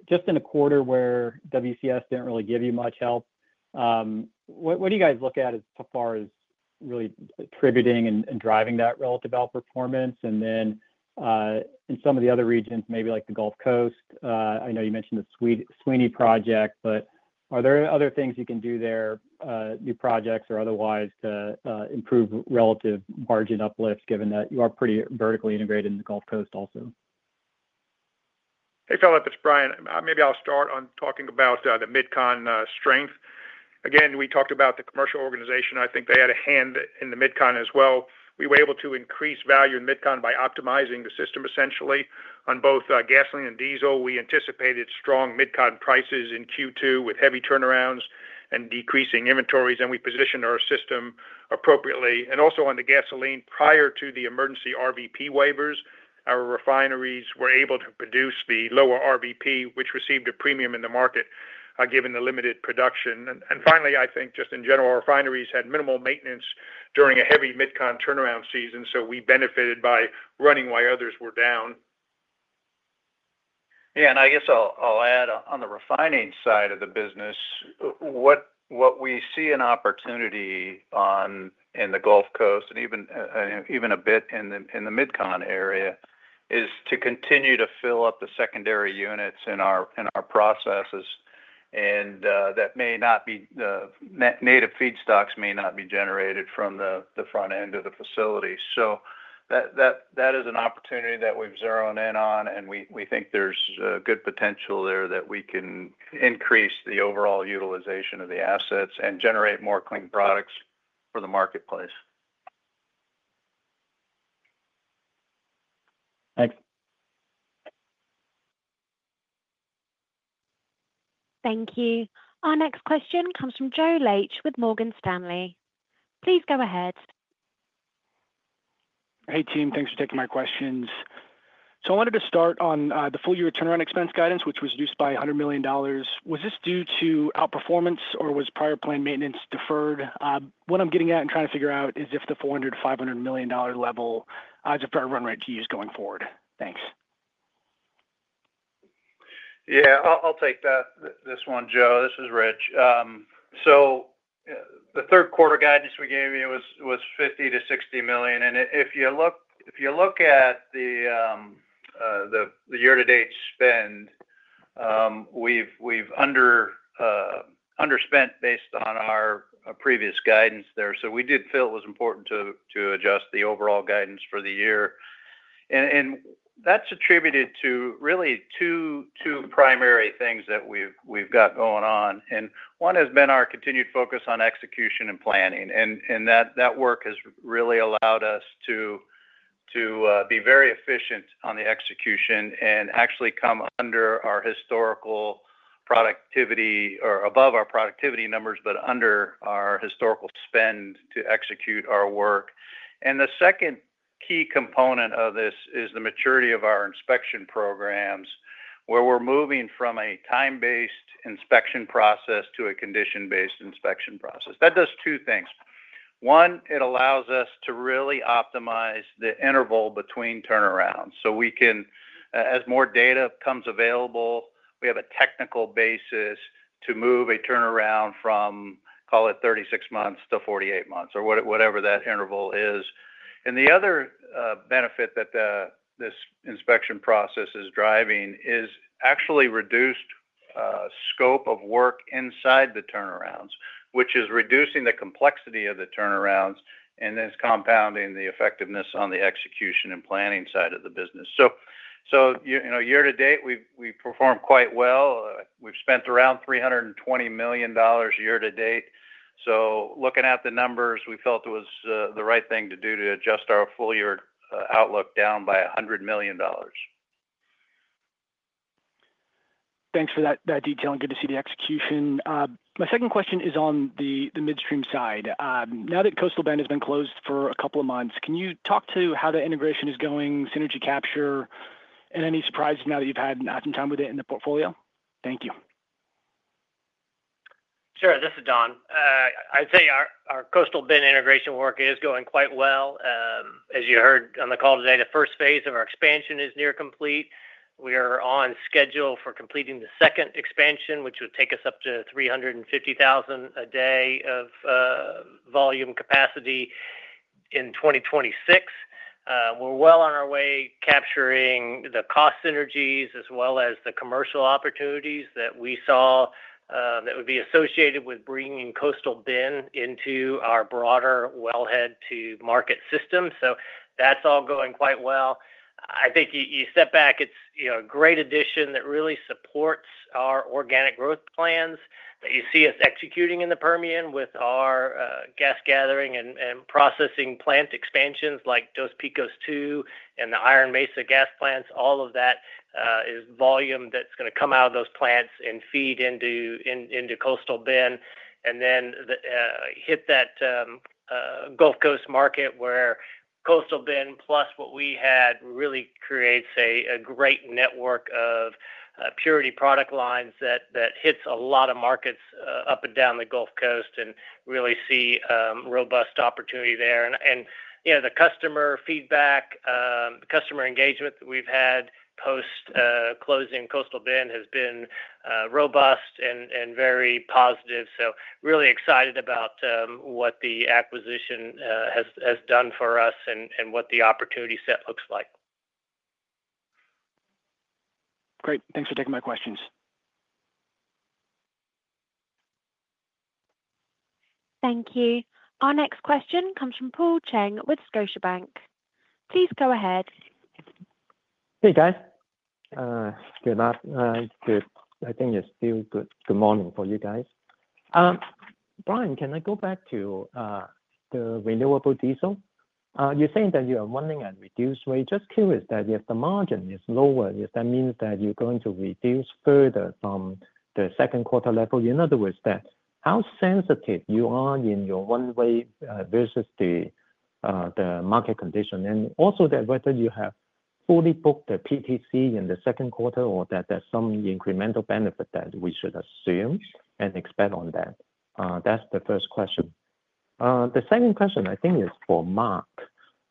Just in a quarter where WCS did not really give you much help, what do you guys look at as far as really attributing and driving that relative outperformance? In some of the other regions, maybe like the Gulf Coast, I know you mentioned the Sweeney Project. Are there other things you can do there, new projects or otherwise, to improve relative margin uplifts given that you are pretty vertically integrated in the Gulf Coast also? Hey, Phillip, it's Brian. Maybe I'll start on talking about the mid-con strength. Again, we talked about the commercial organization. I think they had a hand in the mid-con as well. We were able to increase value in mid-con by optimizing the system, essentially, on both gasoline and diesel. We anticipated strong mid-con prices in Q2 with heavy turnarounds and decreasing inventories, and we positioned our system appropriately. Also on the gasoline, prior to the emergency RVP waivers, our refineries were able to produce the lower RVP, which received a premium in the market given the limited production. Finally, I think, just in general, our refineries had minimal maintenance during a heavy mid-con turnaround season, so we benefited by running while others were down. Yeah. I guess I'll add on the refining side of the business. What we see an opportunity on in the Gulf Coast and even a bit in the Mid-Continent area is to continue to fill up the secondary units in our processes. That may not be native feedstocks, may not be generated from the front end of the facility. That is an opportunity that we've zeroed in on, and we think there's good potential there that we can increase the overall utilization of the assets and generate more clean products for the marketplace. Thanks. Thank you. Our next question comes from Joe Laetsch with Morgan Stanley. Please go ahead. Hey, team. Thanks for taking my questions. I wanted to start on the full-year turnaround expense guidance, which was reduced by $100 million. Was this due to outperformance, or was prior planned maintenance deferred? What I'm getting at and trying to figure out is if the $400 million-$500 million level is a fair run rate to use going forward. Thanks. Yeah. I'll take this one, Joe. This is Rich. The third-quarter guidance we gave you was $50 million-$60 million. If you look at the year-to-date spend, we've underspent based on our previous guidance there. We did feel it was important to adjust the overall guidance for the year, and that's attributed to really two primary things that we've got going on. One has been our continued focus on execution and planning, and that work has really allowed us to be very efficient on the execution and actually come under our historical productivity or above our productivity numbers, but under our historical spend to execute our work. The second key component of this is the maturity of our inspection programs, where we're moving from a time-based inspection process to a condition-based inspection process. That does two things. One, it allows us to really optimize the interval between turnarounds. As more data comes available, we have a technical basis to move a turnaround from, call it, 36 months to 48 months or whatever that interval is. The other benefit that this inspection process is driving is actually reduced scope of work inside the turnarounds, which is reducing the complexity of the turnarounds and then compounding the effectiveness on the execution and planning side of the business. Year-to-date, we performed quite well. We've spent around $320 million year-to-date. Looking at the numbers, we felt it was the right thing to do to adjust our full-year outlook down by $100 million. Thanks for that detail. Good to see the execution. My second question is on the midstream side. Now that Coastal Bend has been closed for a couple of months, can you talk to how the integration is going, synergy capture, and any surprises now that you've had some time with it in the portfolio? Thank you. Sure. This is Don. I'd say our Coastal Bend integration work is going quite well. As you heard on the call today, the first phase of our expansion is near complete. We are on schedule for completing the second expansion, which would take us up to 350,000 a day of volume capacity in 2026. We're well on our way capturing the cost synergies as well as the commercial opportunities that we saw that would be associated with bringing Coastal Bend into our broader wellhead-to-market system. That's all going quite well. I think you step back, it's a great addition that really supports our organic growth plans that you see us executing in the Permian with our gas gathering and processing plant expansions like Dos Picos II and the Iron Mesa gas plants. All of that is volume that's going to come out of those plants and feed into Coastal Bend and then hit that Gulf Coast market where Coastal Bend plus what we had really creates a great network of purity product lines that hits a lot of markets up and down the Gulf Coast and really see robust opportunity there. The customer feedback, customer engagement that we've had post-closing Coastal Bend has been robust and very positive. Really excited about what the acquisition has done for us and what the opportunity set looks like. Great. Thanks for taking my questions. Thank you. Our next question comes from Paul Cheng with Scotiabank. Please go ahead. Hey, guys. Good afternoon. I think it's still good morning for you guys. Brian, can I go back to the renewable diesel? You're saying that you are running at reduced rates. Just curious that if the margin is lower, does that mean that you're going to reduce further from the second-quarter level? In other words, how sensitive you are in your one-way versus the market condition? Also, whether you have fully booked the PTC in the second quarter or that there's some incremental benefit that we should assume and expect on that. That's the first question. The second question, I think, is for Mark.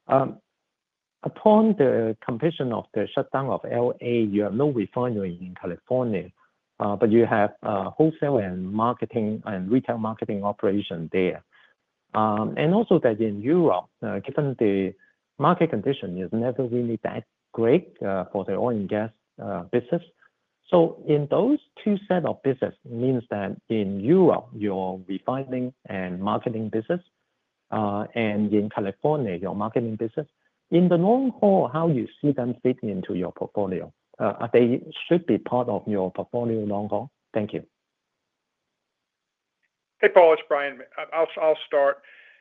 Upon the completion of the shutdown of L.A., you have no refinery in California, but you have wholesale and retail marketing operations there. Also, in Europe, given the market condition, it's never really that great for the oil and gas business. In those two sets of business, it means that in Europe, your refining and marketing business, and in California, your marketing business, in the long haul, how do you see them fitting into your portfolio? They should be part of your portfolio long haul. Thank you. Hey, Paul. It's Brian. I'll start.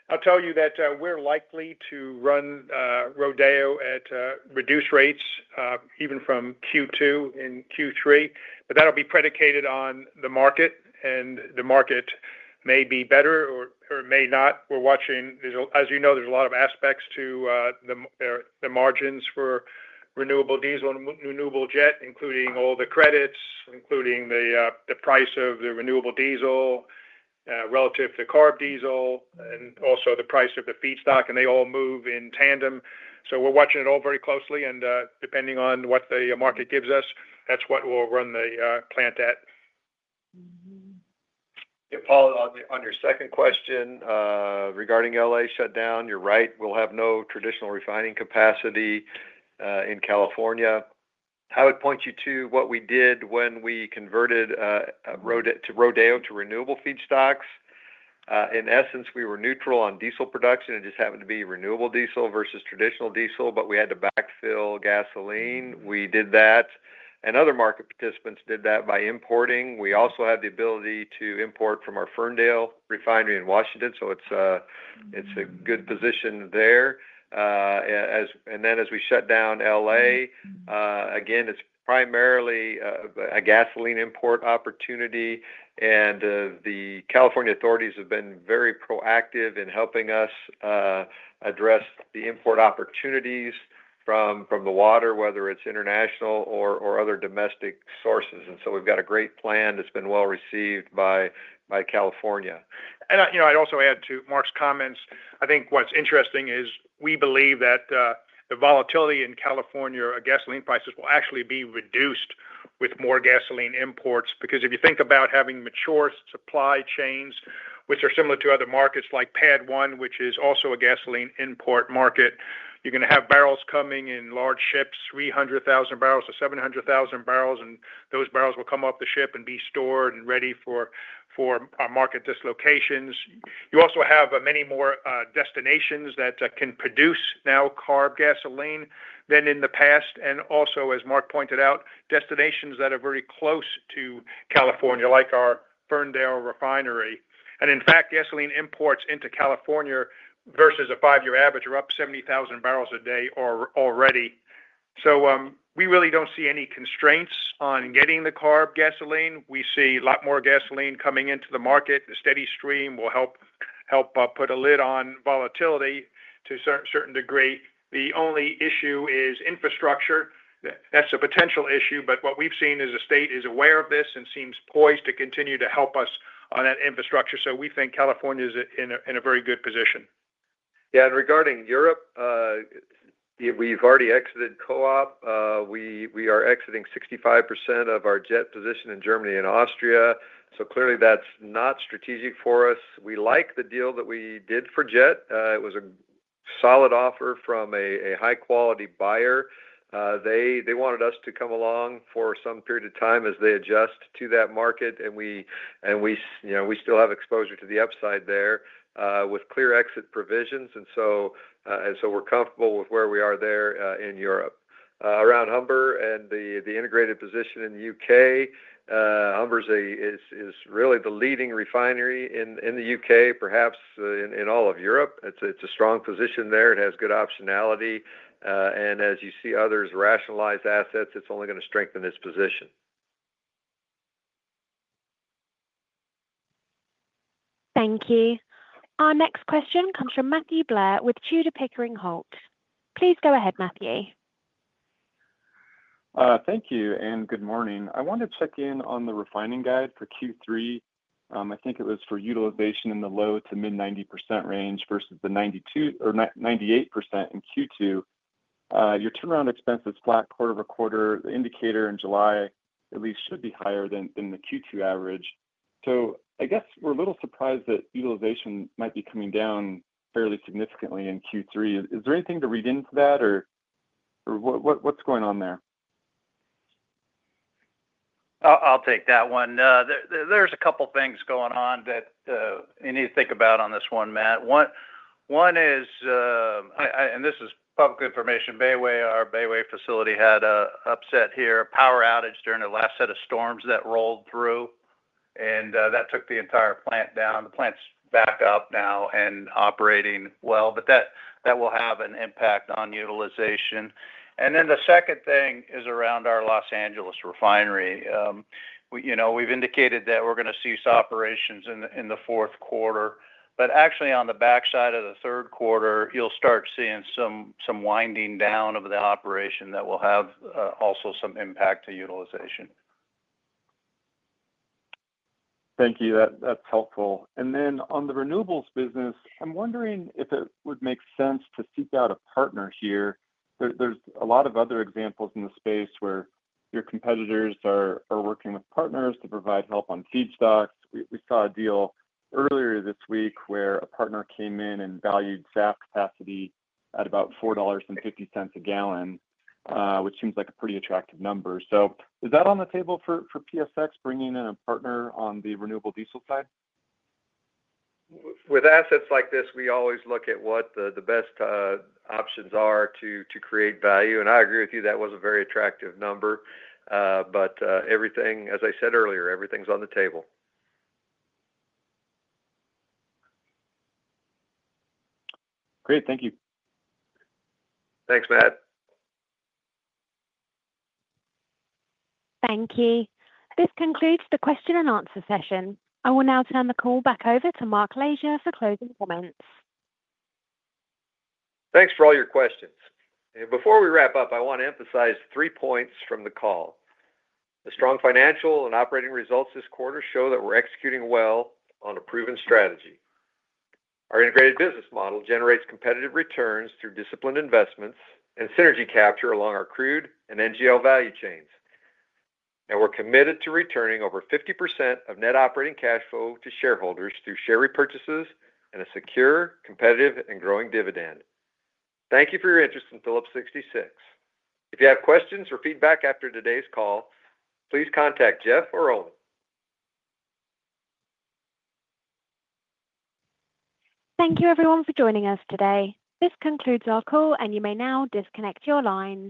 I'll tell you that we're likely to run Rodeo at reduced rates, even from Q2 in Q3. That'll be predicated on the market, and the market may be better or may not. As you know, there's a lot of aspects to the margins for renewable diesel and renewable jet, including all the credits, including the price of the renewable diesel relative to the CARB diesel, and also the price of the feedstock, and they all move in tandem. We're watching it all very closely. Depending on what the market gives us, that's what we'll run the plant at. Yeah. Paul, on your second question regarding L.A. shutdown, you're right. We'll have no traditional refining capacity in California. I would point you to what we did when we converted Rodeo to renewable feedstocks. In essence, we were neutral on diesel production. It just happened to be renewable diesel versus traditional diesel, but we had to backfill gasoline. We did that, and other market participants did that by importing. We also have the ability to import from our Ferndale Refinery in Washington, so it's a good position there. As we shut down L.A., again, it's primarily a gasoline import opportunity. The California authorities have been very proactive in helping us address the import opportunities from the water, whether it's international or other domestic sources. We've got a great plan that's been well received by California. I'd also add to Mark's comments. I think what's interesting is we believe that the volatility in California gasoline prices will actually be reduced with more gasoline imports. If you think about having mature supply chains, which are similar to other markets like PADD 1, which is also a gasoline import market, you're going to have barrels coming in large ships, 300,000 barrels to 700,000 barrels, and those barrels will come off the ship and be stored and ready for our market dislocations. You also have many more destinations that can produce now CARB gasoline than in the past. Also, as Mark pointed out, destinations that are very close to California, like our Ferndale Refinery. In fact, gasoline imports into California versus a five-year average are up 70,000 barrels a day already. We really don't see any constraints on getting the CARB gasoline. We see a lot more gasoline coming into the market. The steady stream will help put a lid on volatility to a certain degree. The only issue is infrastructure. That's a potential issue. What we've seen is the state is aware of this and seems poised to continue to help us on that infrastructure. We think California is in a very good position. Yeah. Regarding Europe, we've already exited co-op. We are exiting 65% of our jet position in Germany and Austria. Clearly, that's not strategic for us. We like the deal that we did for jet. It was a solid offer from a high-quality buyer. They wanted us to come along for some period of time as they adjust to that market. We still have exposure to the upside there with clear exit provisions. We're comfortable with where we are there in Europe. Around Humber and the integrated position in the U.K., Humber is really the leading refinery in the U.K., perhaps in all of Europe. It's a strong position there. It has good optionality. As you see others rationalize assets, it's only going to strengthen its position. Thank you. Our next question comes from Matthew Blair with Tudor Pickering Holt. Please go ahead, Matthew. Thank you. Good morning. I want to check in on the refining guide for Q3. I think it was for utilization in the low to mid-90% range versus the 98% in Q2. Your turnaround expense is flat quarter-over-quarter. The indicator in July, at least, should be higher than the Q2 average. I guess we're a little surprised that utilization might be coming down fairly significantly in Q3. Is there anything to read into that, or what's going on there? I'll take that one. There's a couple of things going on that you need to think about on this one, Matt. One is, and this is public information, Bayway, our Bayway facility, had an upset here, a power outage during the last set of storms that rolled through. That took the entire plant down. The plant's back up now and operating well, but that will have an impact on utilization. The second thing is around our Los Angeles refinery. We've indicated that we're going to cease operations in the fourth quarter. Actually, on the backside of the third quarter, you'll start seeing some winding down of the operation that will have also some impact to utilization. Thank you. That's helpful. Then on the renewables business, I'm wondering if it would make sense to seek out a partner here. There's a lot of other examples in the space where your competitors are working with partners to provide help on feedstocks. We saw a deal earlier this week where a partner came in and valued SAF capacity at about $4.50 a gallon, which seems like a pretty attractive number. Is that on the table for PSX bringing in a partner on the renewable diesel side? With assets like this, we always look at what the best options are to create value. I agree with you. That was a very attractive number. As I said earlier, everything's on the table. Great. Thank you. Thanks, Matt. Thank you. This concludes the question and answer session. I will now turn the call back over to Mark Lashier for closing comments. Thanks for all your questions. Before we wrap up, I want to emphasize three points from the call. The strong financial and operating results this quarter show that we're executing well on a proven strategy. Our integrated business model generates competitive returns through disciplined investments and synergy capture along our crude and NGL value chains. We're committed to returning over 50% of net operating cash flow to shareholders through share repurchases and a secure, competitive, and growing dividend. Thank you for your interest in Phillips 66. If you have questions or feedback after today's call, please contact Jeff or Owen. Thank you, everyone, for joining us today. This concludes our call, and you may now disconnect your line.